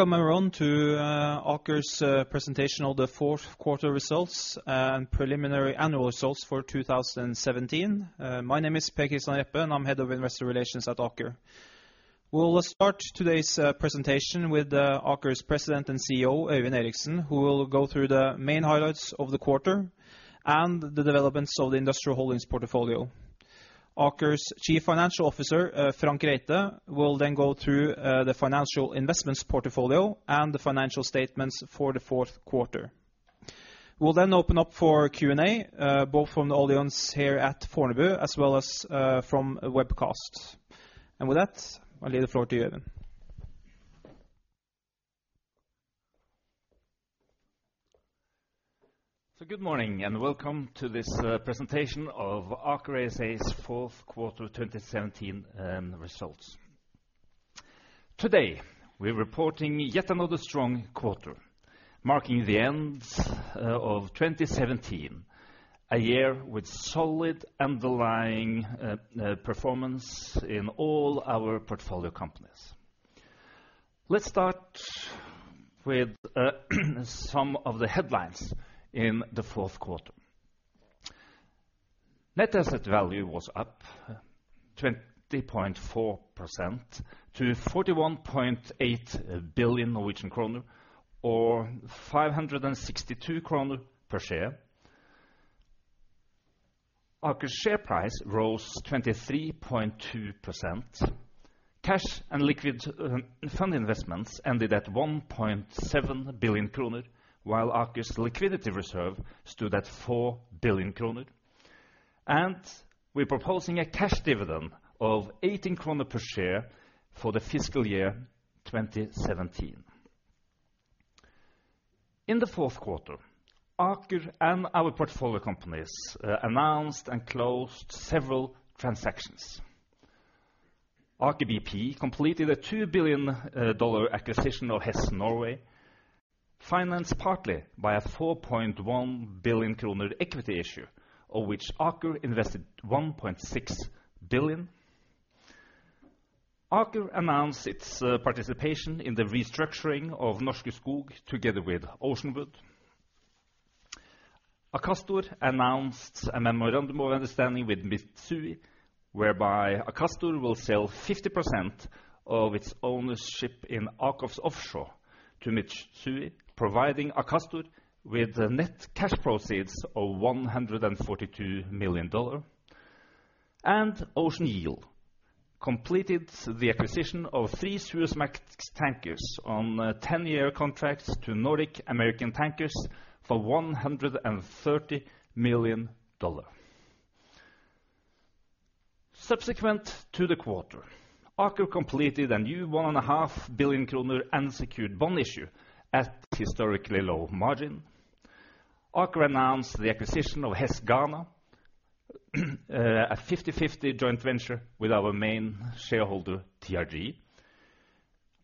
Welcome everyone to Aker's presentation of the fourth quarter results and preliminary annual results for 2017. My name is Per Kristian Røppe, I'm Head of Investor Relations at Aker. We'll start today's presentation with Aker's President and CEO, Øyvind Eriksen, who will go through the main highlights of the quarter and the developments of the industrial holdings portfolio. Aker's Chief Financial Officer, Frank Reite, will go through the financial investments portfolio and the financial statements for the fourth quarter. We'll open up for Q&A, both from the audience here at Fornebu as well as from webcast. With that, I leave the floor to Øyvind. Good morning, welcome to this presentation of Aker ASA's fourth quarter 2017 results. Today, we're reporting yet another strong quarter, marking the end of 2017, a year with solid underlying performance in all our portfolio companies. Let's start with some of the headlines in the fourth quarter. Net asset value was up 20.4% to 41.8 billion Norwegian kroner or 562 kroner per share. Aker's share price rose 23.2%. Cash and liquid fund investments ended at 1.7 billion kroner, while Aker's liquidity reserve stood at 4 billion kroner. We're proposing a cash dividend of 18 kroner per share for the fiscal year 2017. In the fourth quarter, Aker and our portfolio companies announced and closed several transactions. Aker BP completed a $2 billion acquisition of Hess Norge, financed partly by a 4.1 billion kroner equity issue, of which Aker invested 1.6 billion. Aker announced its participation in the restructuring of Norske Skog together with Oceanwood. Akastor announced a MOU with Mitsui whereby Akastor will sell 50% of its ownership in AKOFS Offshore to Mitsui, providing Akastor with net cash proceeds of $142 million. Ocean Yield completed the acquisition of 3 Suezmax tankers on 10-year contracts to Nordic American Tankers for $130 million. Subsequent to the quarter, Aker completed a new 1.5 billion kroner unsecured bond issue at historically low margin. Aker announced the acquisition of Hess Ghana, a 50/50 joint venture with our main shareholder, TRG.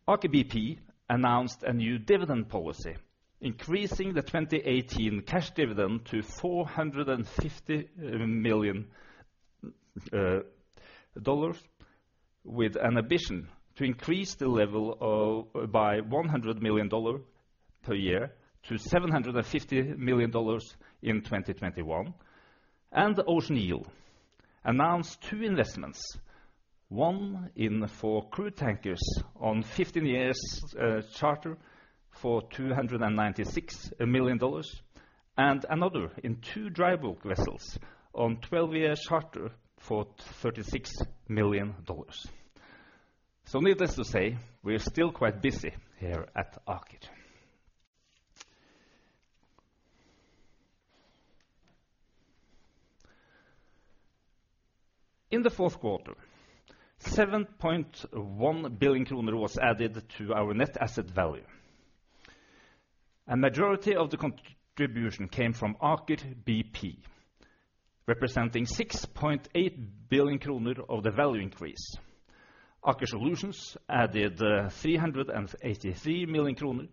Aker BP announced a new dividend policy, increasing the 2018 cash dividend to $450 million, with an ambition to increase the level by $100 million per year to $750 million in 2021. Ocean Yield announced 2 investments. One in 4 crude tankers on 15 years charter for $296 million and another in 2 dry bulk vessels on 12-year charter for $36 million. Needless to say, we are still quite busy here at Aker. In the fourth quarter, 7.1 billion kroner was added to our net asset value. A majority of the contribution came from Aker BP, representing 6.8 billion kroner of the value increase. Aker Solutions added 383 million kroner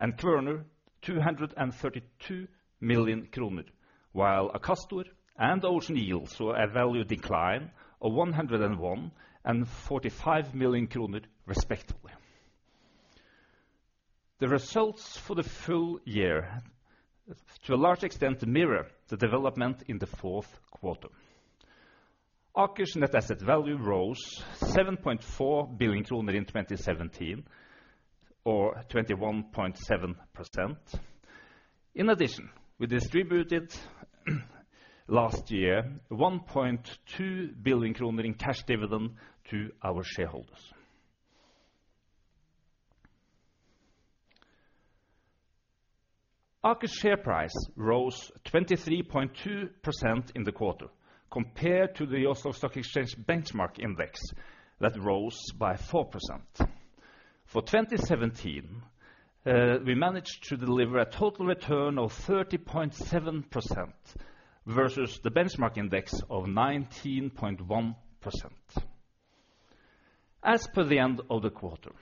and Kværner 232 million kroner, while Akastor and Ocean Yield saw a value decline of 101 million and 45 million kroner respectively. The results for the full year to a large extent mirror the development in the fourth quarter. Aker's net asset value rose 7.4 billion kroner in 2017 or 21.7%. In addition, we distributed last year 1.2 billion kroner in cash dividend to our shareholders. Aker's share price rose 23.2% in the quarter compared to the Oslo Stock Exchange benchmark index that rose by 4%. For 2017, we managed to deliver a total return of 30.7% versus the benchmark index of 19.1%. As per the end of the quarter,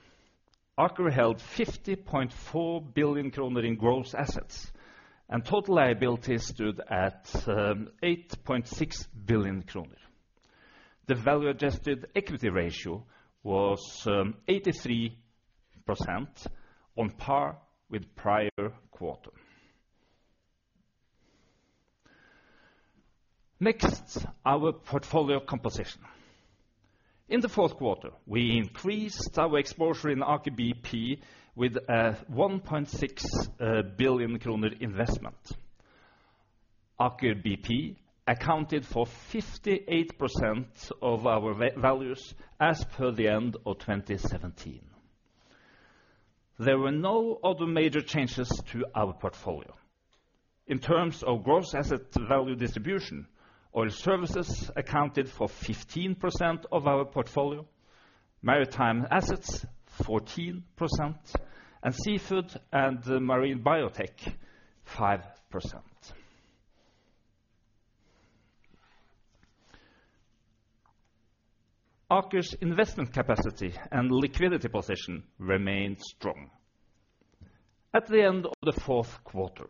Aker held 50.4 billion kroner in gross assets and total liabilities stood at 8.6 billion kroner. The value-adjusted equity ratio was 83%, on par with prior quarter. Our portfolio composition. In the fourth quarter, we increased our exposure in Aker BP with a 1.6 billion kroner investment. Aker BP accounted for 58% of our values as per the end of 2017. There were no other major changes to our portfolio. In terms of gross asset value distribution, oil services accounted for 15% of our portfolio, maritime assets 14%, and seafood and marine biotech 5%. Aker's investment capacity and liquidity position remained strong. At the end of the fourth quarter,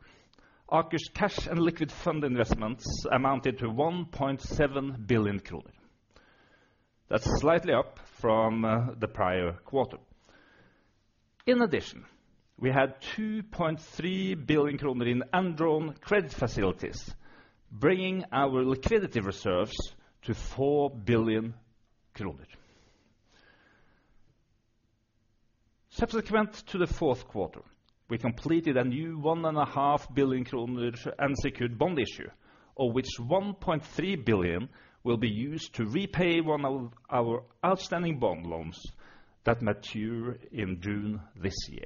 Aker's cash and liquid fund investments amounted to 1.7 billion kroner. That's slightly up from the prior quarter. In addition, we had 2.3 billion kroner in undrawn credit facilities, bringing our liquidity reserves to 4 billion kroner. Subsequent to the fourth quarter, we completed a new 1.5 billion kroner unsecured bond issue, of which 1.3 billion will be used to repay one of our outstanding bond loans that mature in June this year.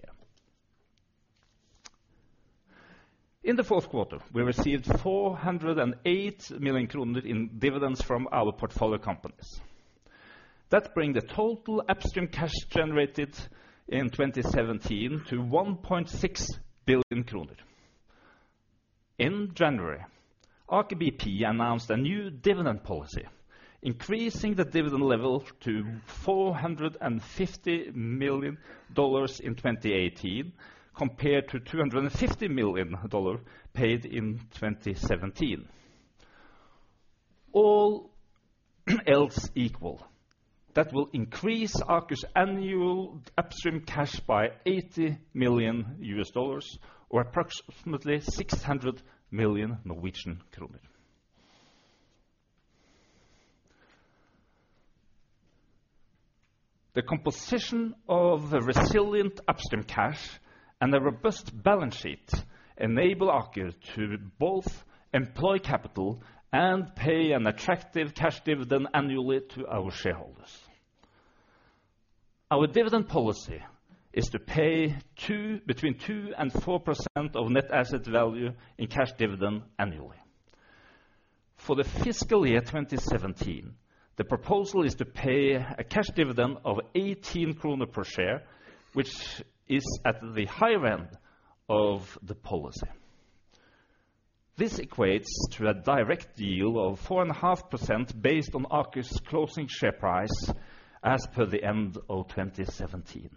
In the fourth quarter, we received 408 million kroner in dividends from our portfolio companies. That bring the total upstream cash generated in 2017 to 1.6 billion kroner. In January, Aker BP announced a new dividend policy, increasing the dividend level to $450 million in 2018 compared to $250 million paid in 2017. All else equal, that will increase Aker's annual upstream cash by $80 million, or approximately NOK 600 million. The composition of the resilient upstream cash and a robust balance sheet enable Aker to both employ capital and pay an attractive cash dividend annually to our shareholders. Our dividend policy is to pay between 2% and 4% of net asset value in cash dividend annually. For the fiscal year 2017, the proposal is to pay a cash dividend of 18 kroner per share, which is at the higher end of the policy. This equates to a direct yield of 4.5% based on Aker's closing share price as per the end of 2017.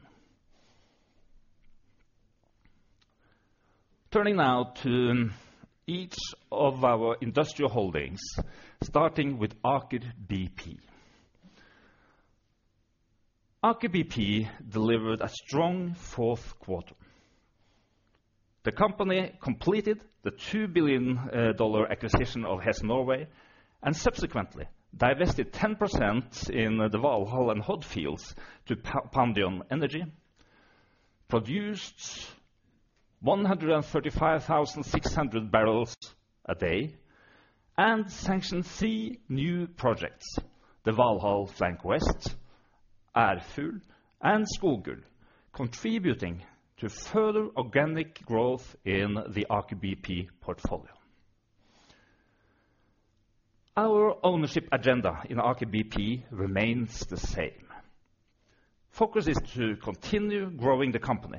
Turning now to each of our industrial holdings, starting with Aker BP. Aker BP delivered a strong fourth quarter. The company completed the $2 billion acquisition of Hess Norway, and subsequently divested 10% in the Valhall and Hod fields to Pandion Energy, produced 135,600 barrels a day and sanctioned three new projects, the Valhall Flank West, Ærfugl, and Skogul, contributing to further organic growth in the Aker BP portfolio. Our ownership agenda in Aker BP remains the same. Focus is to continue growing the company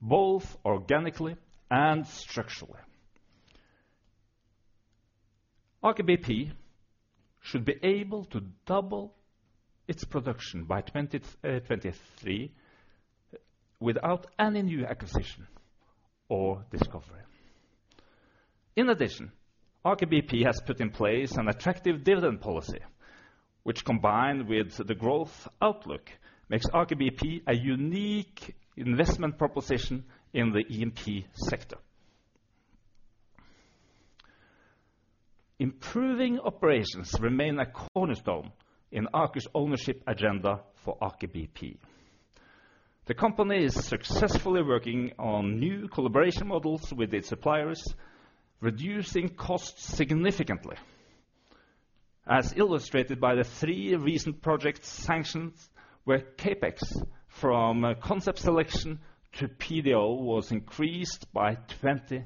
both organically and structurally. Aker BP should be able to double its production by 2023 without any new acquisition or discovery. In addition, Aker BP has put in place an attractive dividend policy, which combined with the growth outlook, makes Aker BP a unique investment proposition in the E&P sector. Improving operations remain a cornerstone in Aker's ownership agenda for Aker BP. The company is successfully working on new collaboration models with its suppliers, reducing costs significantly, as illustrated by the three recent project sanctions, where CapEx from concept selection to PDO was increased by 20%.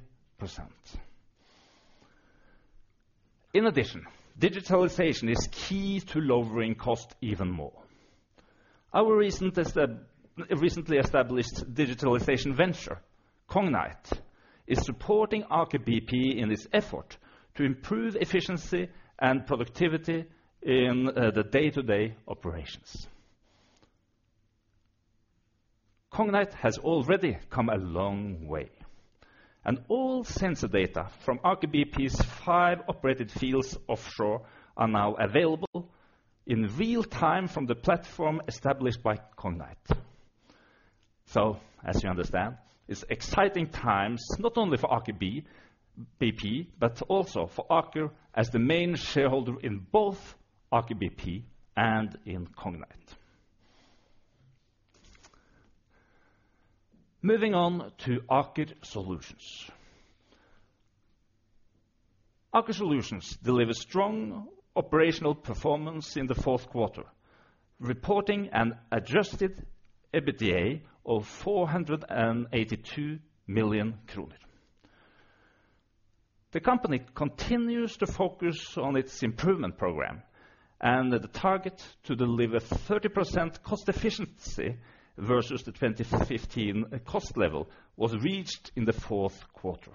In addition, digitalization is key to lowering cost even more. Our recently established digitalization venture, Cognite, is supporting Aker BP in this effort to improve efficiency and productivity in the day-to-day operations. Cognite has already come a long way, and all sensor data from Aker BP's five operated fields offshore are now available in real time from the platform established by Cognite. As you understand, it's exciting times, not only for Aker BP, but also for Aker as the main shareholder in both Aker BP and in Cognite. Moving on to Aker Solutions. Aker Solutions delivered strong operational performance in the fourth quarter, reporting an adjusted EBITDA of 482 million kroner. The company continues to focus on its improvement program, and the target to deliver 30% cost efficiency versus the 2015 cost level was reached in the fourth quarter.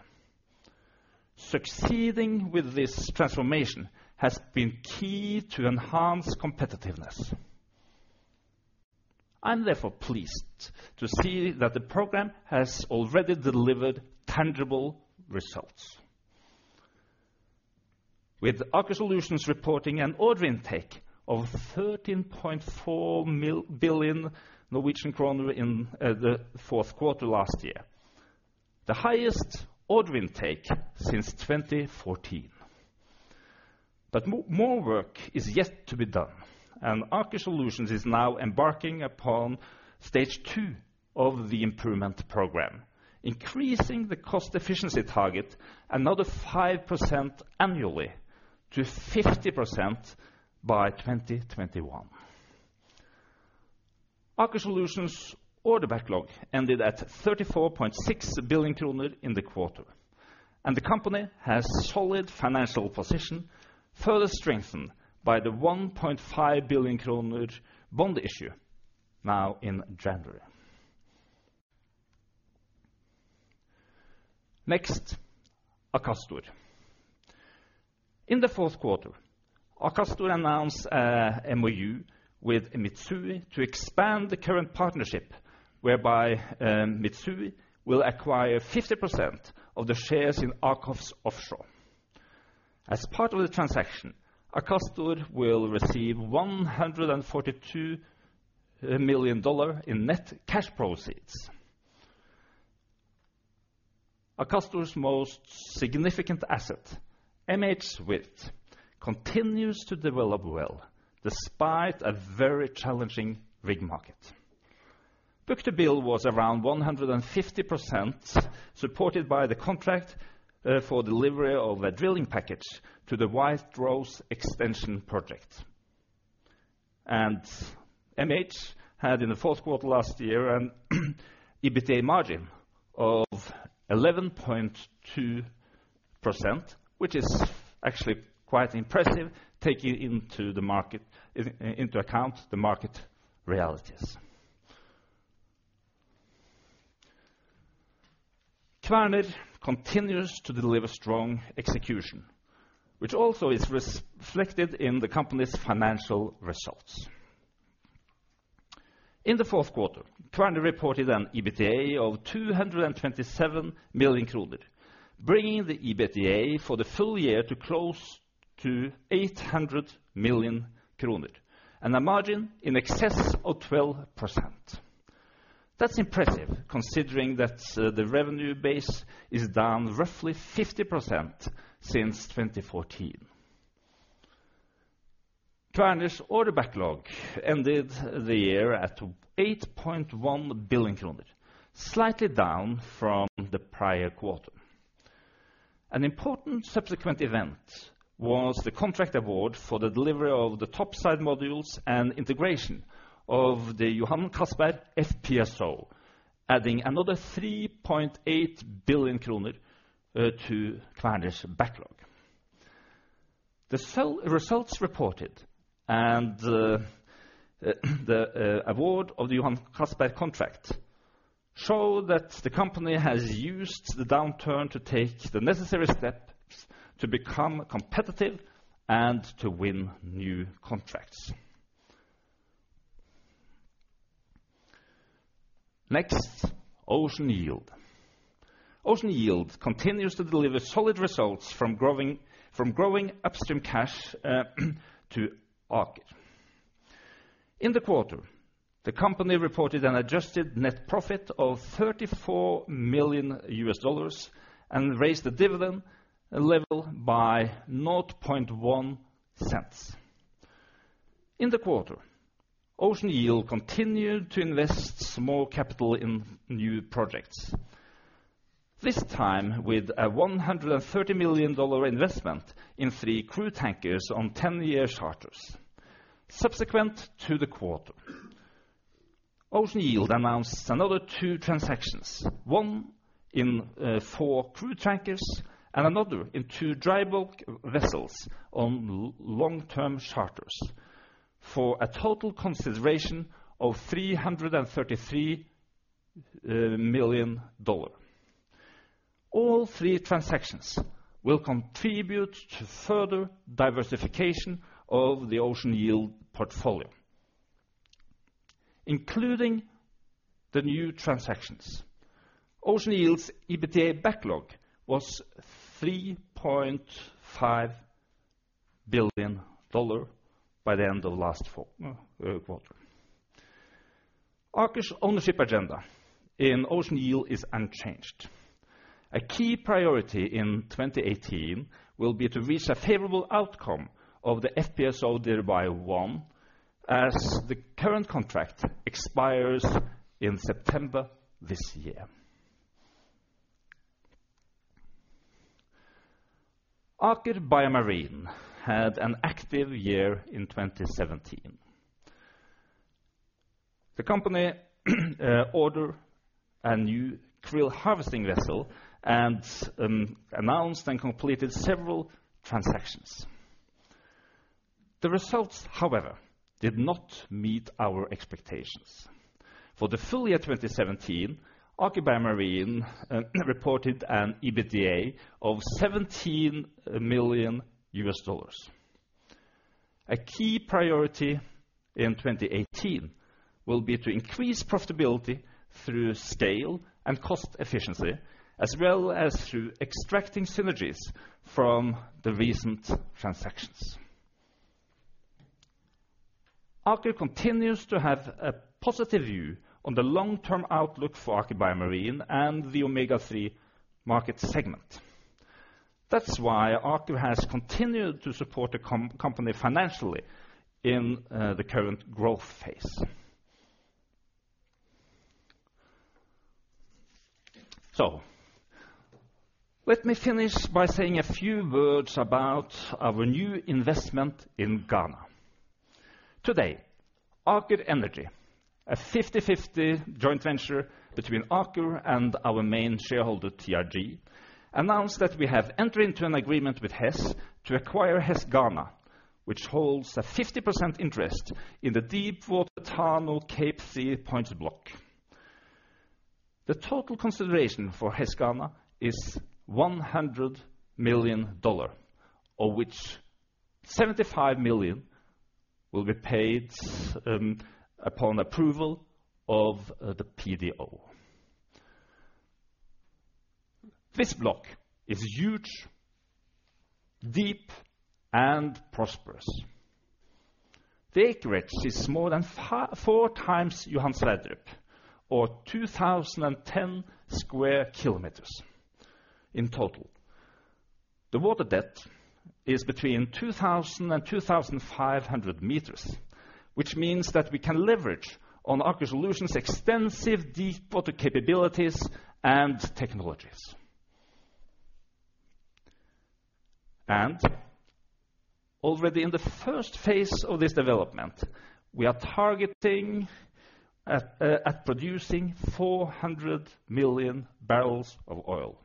Succeeding with this transformation has been key to enhance competitiveness. I'm therefore pleased to see that the program has already delivered tangible results, with Aker Solutions reporting an order intake of 13.4 billion Norwegian kroner in the fourth quarter last year, the highest order intake since 2014. More work is yet to be done, and Aker Solutions is now embarking upon stage 2 of the improvement program, increasing the cost efficiency target another 5% annually to 50% by 2021. Aker Solutions' order backlog ended at 34.6 billion kroner in the quarter, and the company has solid financial position, further strengthened by the 1.5 billion kroner bond issue now in January. Next, Akastor. In the fourth quarter, Akastor announced a MOU with Mitsui to expand the current partnership, whereby Mitsui will acquire 50% of the shares in AKOFS Offshore. As part of the transaction, Akastor will receive $142 million in net cash proceeds. Akastor's most significant asset, MHWirth, continues to develop well despite a very challenging rig market. Book-to-bill was around 150%, supported by the contract for delivery of a drilling package to the White Rose extension project. MHWirth had in the fourth quarter last year an EBITDA margin of 11.2%, which is actually quite impressive taking into account the market realities. Kværner continues to deliver strong execution, which also is reflected in the company's financial results. In the fourth quarter, Kværner reported an EBITDA of 227 million kroner, bringing the EBITDA for the full year to close to 800 million kroner and a margin in excess of 12%. That's impressive considering that the revenue base is down roughly 50% since 2014. Kværner's order backlog ended the year at 8.1 billion kroner, slightly down from the prior quarter. An important subsequent event was the contract award for the delivery of the topside modules and integration of the Johan Castberg FPSO, adding another 3.8 billion kroner to Kværner's backlog. The results reported and the award of the Johan Castberg contract show that the company has used the downturn to take the necessary steps to become competitive and to win new contracts. Next, Ocean Yield. Ocean Yield continues to deliver solid results from growing upstream cash to Aker. In the quarter, the company reported an adjusted net profit of $34 million and raised the dividend level by $0.001. In the quarter, Ocean Yield continued to invest more capital in new projects. This time with a $130 million investment in three crude tankers on 10-year charters. Subsequent to the quarter, Ocean Yield announced another two transactions, one in four crude tankers and another in two dry bulk vessels on long-term charters for a total consideration of $333 million. All three transactions will contribute to further diversification of the Ocean Yield portfolio. Including the new transactions, Ocean Yield's EBITDA backlog was $3.5 billion by the end of last quarter. Aker's ownership agenda in Ocean Yield is unchanged. A key priority in 2018 will be to reach a favorable outcome of the FPSO Dhirubhai-1, as the current contract expires in September this year. Aker BioMarine had an active year in 2017. The company ordered a new krill harvesting vessel and announced and completed several transactions. The results, however, did not meet our expectations. For the full year 2017, Aker BioMarine reported an EBITDA of $17 million. A key priority in 2018 will be to increase profitability through scale and cost efficiency, as well as through extracting synergies from the recent transactions. Aker continues to have a positive view on the long-term outlook for Aker BioMarine and the omega-3 market segment. That's why Aker has continued to support the company financially in the current growth phase. Let me finish by saying a few words about our new investment in Ghana. Today, Aker Energy, a 50/50 joint venture between Aker and our main shareholder, TRG, announced that we have entered into an agreement with Hess to acquire Hess Ghana, which holds a 50% interest in the Deepwater Tano Cape Three Points block. The total consideration for Hess Ghana is $100 million, of which $75 million will be paid upon approval of the PDO. This block is huge, deep, and prosperous. The acreage is more than four times Johan Sverdrup, or 2,010 square kilometers in total. The water depth is between 2,000 and 2,500 meters, which means that we can leverage on Aker Solutions' extensive deepwater capabilities and technologies. Already in the first phase of this development, we are targeting at producing 400 million barrels of oil.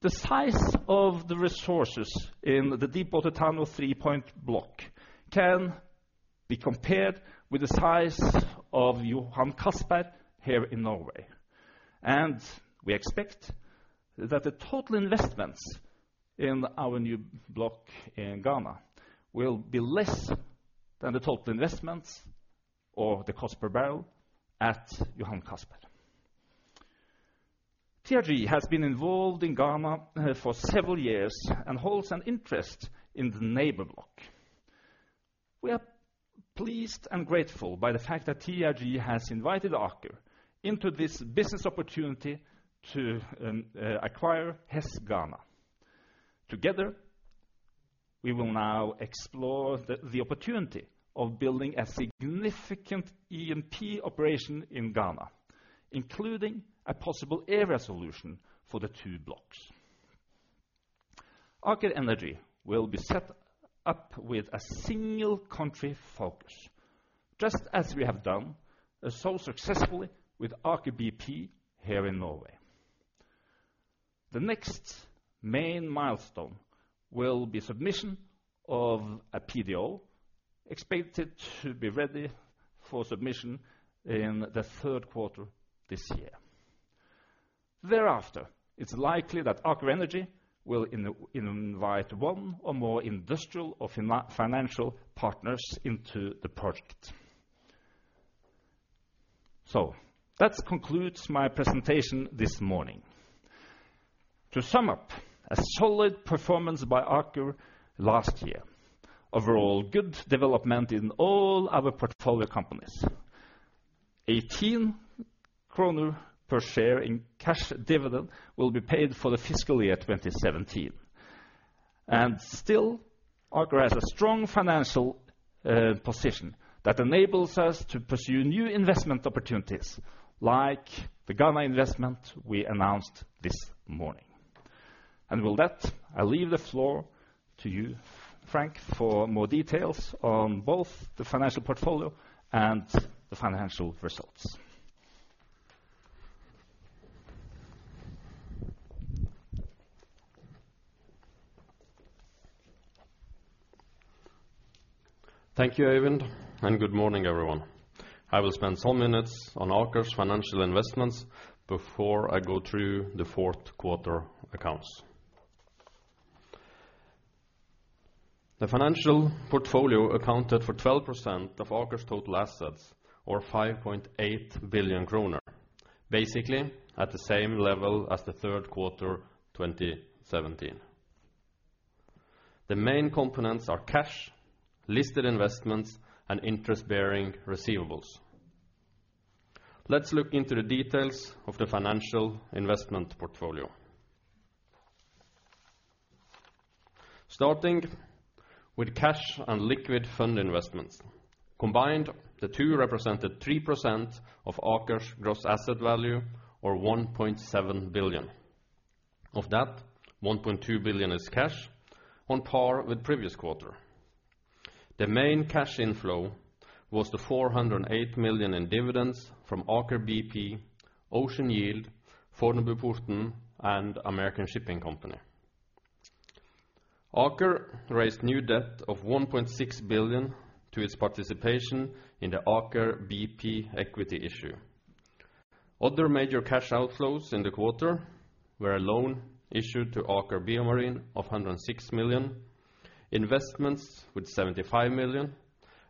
The size of the resources in the Deepwater Tano Three Point block can be compared with the size of Johan Castberg here in Norway. We expect that the total investments in our new block in Ghana will be less than the total investments of the Castberg Barrel at Johan Castberg. TRG has been involved in Ghana for several years and holds an interest in the neighbor block. We are pleased and grateful by the fact that TRG has invited Aker into this business opportunity to acquire Hess Ghana. Together, we will now explore the opportunity of building a significant E&P operation in Ghana, including a possible area solution for the two blocks. Aker Energy will be set up with a single country focus, just as we have done so successfully with Aker BP here in Norway. The next main milestone will be submission of a PDO, expected to be ready for submission in the third quarter this year. Thereafter, it's likely that Aker Energy will invite one or more industrial or financial partners into the project. That concludes my presentation this morning. To sum up, a solid performance by Aker last year. Overall, good development in all our portfolio companies. 18 kroner per share in cash dividend will be paid for the fiscal year 2017. Still, Aker has a strong financial position that enables us to pursue new investment opportunities like the Ghana investment we announced this morning. With that, I leave the floor to you, Frank, for more details on both the financial portfolio and the financial results. Thank you, Øyvind, good morning, everyone. I will spend some minutes on Aker's financial investments before I go through the fourth quarter accounts. The financial portfolio accounted for 12% of Aker's total assets or 5.8 billion kroner. Basically, at the same level as the third quarter 2017. The main components are cash, listed investments, and interest-bearing receivables. Let's look into the details of the financial investment portfolio. Starting with cash and liquid fund investments. Combined, the two represented 3% of Aker's gross asset value or 1.7 billion. Of that, 1.2 billion is cash on par with the previous quarter. The main cash inflow was the 408 million in dividends from Aker BP, Ocean Yield, Fornebuporten, and American Shipping Company. Aker raised new debt of 1.6 billion to its participation in the Aker BP equity issue. Other major cash outflows in the quarter were a loan issued to Aker BioMarine of 106 million, investments with 75 million,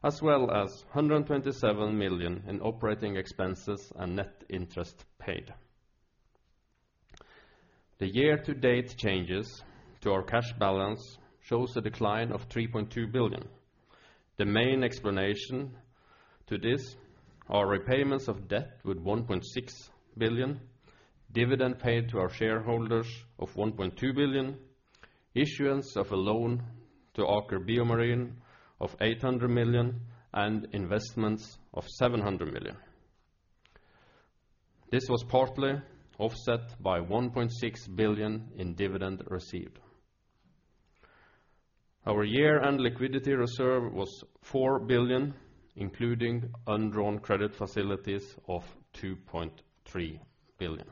as well as 127 million in operating expenses and net interest paid. The year-to-date changes to our cash balance shows a decline of 3.2 billion. The main explanation to this are repayments of debt with 1.6 billion, dividend paid to our shareholders of 1.2 billion, issuance of a loan to Aker BioMarine of 800 million, and investments of 700 million. This was partly offset by 1.6 billion in dividend received. Our year-end liquidity reserve was 4 billion, including undrawn credit facilities of 2.3 billion.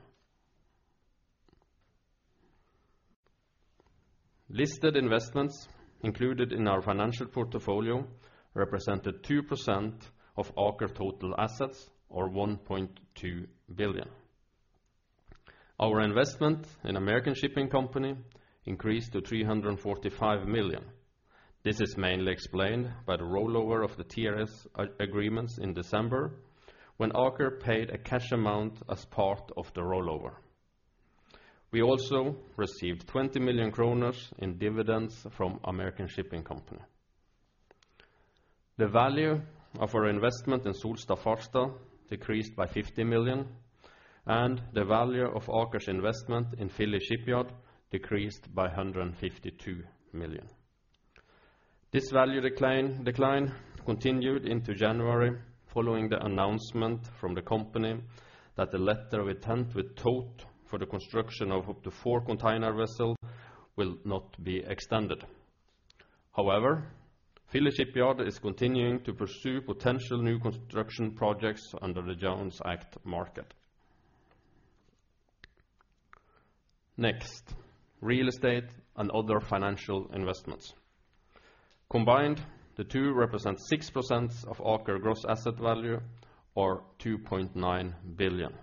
Listed investments included in our financial portfolio represented 2% of Aker total assets, or 1.2 billion. Our investment in American Shipping Company increased to 345 million. This is mainly explained by the rollover of the TRS agreements in December, when Aker paid a cash amount as part of the rollover. We also received 20 million kroner in dividends from American Shipping Company. The value of our investment in Solstad Farstad decreased by 50 million, and the value of Aker's investment in Philly Shipyard decreased by 152 million. This value decline continued into January following the announcement from the company that the letter of intent with TOTE for the construction of up to four container vessels will not be extended. However, Philly Shipyard is continuing to pursue potential new construction projects under the Jones Act market. Next, real estate and other financial investments. Combined, the two represent 6% of Aker gross asset value or 2.9 billion.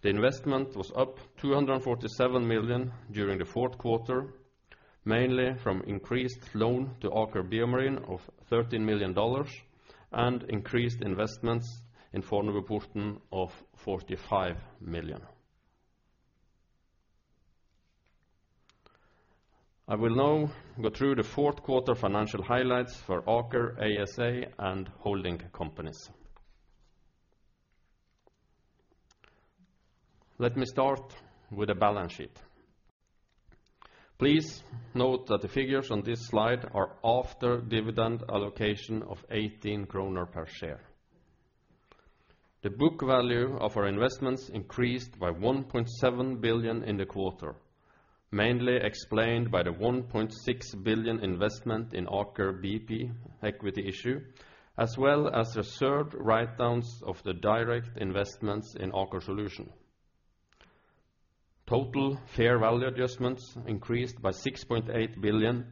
The investment was up 247 million during the fourth quarter, mainly from increased loan to Aker BioMarine of NOK 13 million and increased investments in Fornebuporten of 45 million. I will now go through the fourth quarter financial highlights for Aker ASA and holding companies. Let me start with the balance sheet. Please note that the figures on this slide are after dividend allocation of 18 kroner per share. The book value of our investments increased by 1.7 billion in the quarter, mainly explained by the 1.6 billion investment in Aker BP equity issue, as well as reserved write-downs of the direct investments in Aker Solutions. Total fair value adjustments increased by 6.8 billion,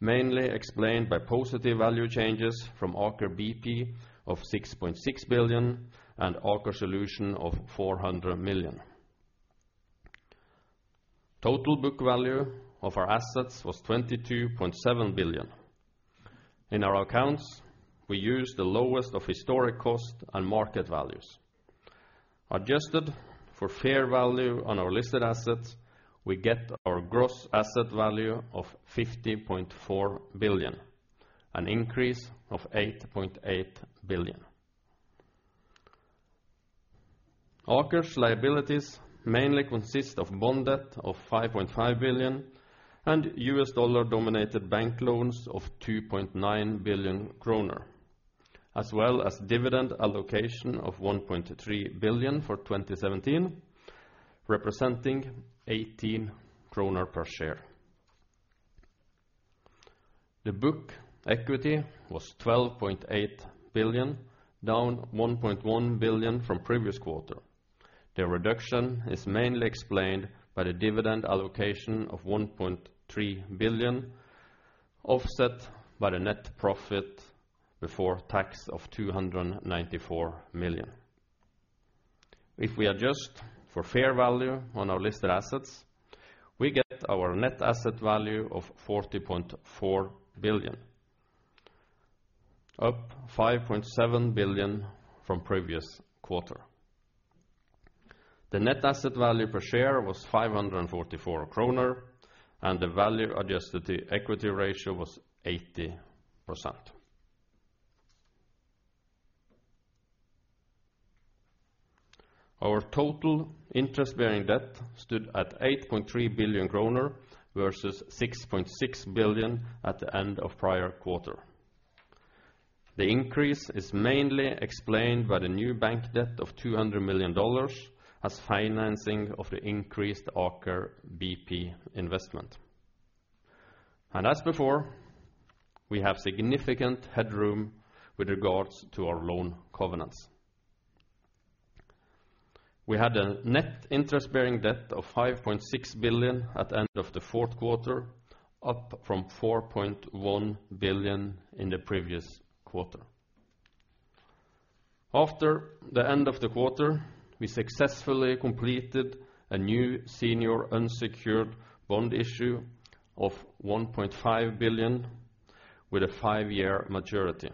mainly explained by positive value changes from Aker BP of 6.6 billion and Aker Solutions of 400 million. Total book value of our assets was 22.7 billion. In our accounts, we use the lowest of historic cost and market values. Adjusted for fair value on our listed assets, we get our gross asset value of 50.4 billion, an increase of 8.8 billion. Aker's liabilities mainly consist of bond debt of 5.5 billion and US dollar-denominated bank loans of 2.9 billion kroner, as well as dividend allocation of 1.3 billion for 2017, representing 18 kroner per share. The book equity was 12.8 billion, down 1.1 billion from the previous quarter. The reduction is mainly explained by the dividend allocation of 1.3 billion, offset by the net profit before tax of 294 million. If we adjust for fair value on our listed assets, we get our net asset value of 40.4 billion, up 5.7 billion from previous quarter. The net asset value per share was 544 kroner, and the value adjusted equity ratio was 80%. Our total interest-bearing debt stood at 8.3 billion kroner, versus 6.6 billion at the end of prior quarter. The increase is mainly explained by the new bank debt of 200 million dollars as financing of the increased Aker BP investment. As before, we have significant headroom with regards to our loan covenants. We had a net interest-bearing debt of 5.6 billion at end of the fourth quarter, up from 4.1 billion in the previous quarter. After the end of the quarter, we successfully completed a new senior unsecured bond issue of 1.5 billion with a five-year maturity.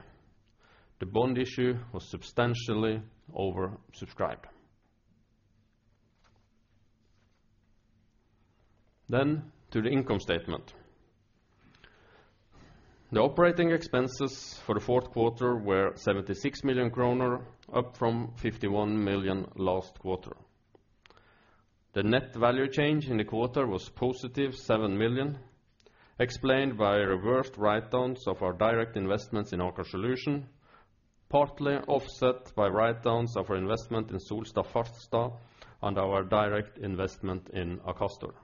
The bond issue was substantially oversubscribed. To the income statement. The operating expenses for the fourth quarter were 76 million kroner, up from 51 million last quarter. The net value change in the quarter was positive 7 million, explained by reversed write-downs of our direct investments in Aker Solutions, partly offset by write-downs of our investment in Solstad Farstad and our direct investment in Akastor.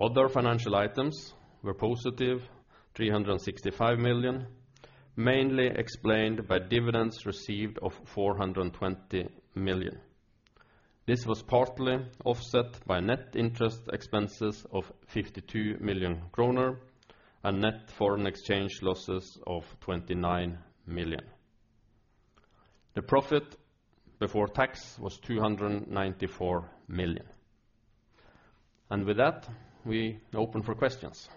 Other financial items were positive 365 million, mainly explained by dividends received of 420 million. This was partly offset by net interest expenses of 52 million kroner and net foreign exchange losses of 29 million. The profit before tax was 294 million. With that, we open for questions.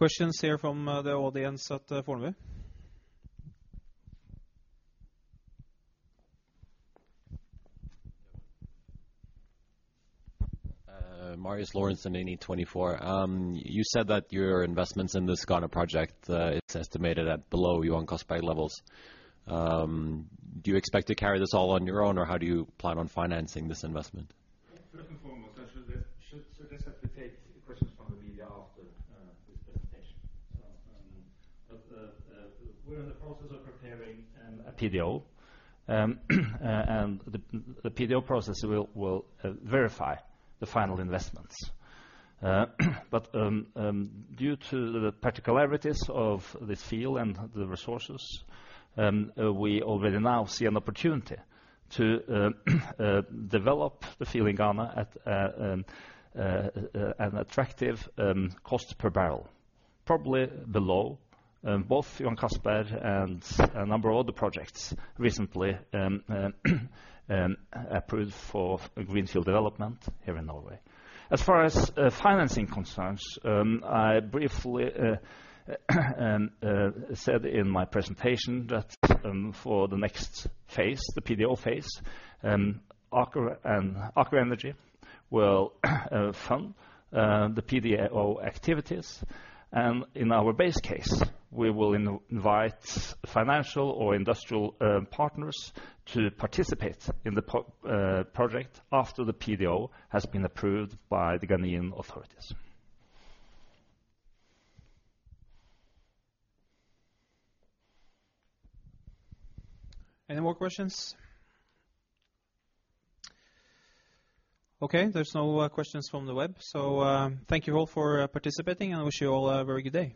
Questions here from the audience at Fornebu. Marius Lauritsen, E24. You said that your investments in the Ghana project, it is estimated at below Johan Castberg levels. Do you expect to carry this all on your own, or how do you plan on financing this investment? First and foremost, I should just have to take questions from the media after this presentation. We are in the process of preparing a PDO, the PDO process will verify the final investments. Due to the particularities of this field and the resources, we already now see an opportunity to develop the field in Ghana at an attractive cost per barrel. Probably below both Johan Castberg and a number of other projects recently approved for greenfield development here in Norway. As far as financing concerns, I briefly said in my presentation that for the next phase, the PDO phase, Aker Energy will fund the PDO activities. In our base case, we will invite financial or industrial partners to participate in the project after the PDO has been approved by the Ghanaian authorities. Any more questions? Okay, there is no questions from the web. Thank you all for participating, I wish you all a very good day.